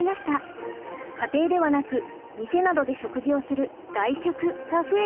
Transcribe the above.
家庭ではなく店などで食事をする外食が増えていったのです。